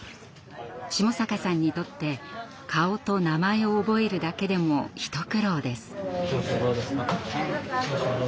下坂さんにとって顔と名前を覚えるだけでも一苦労です。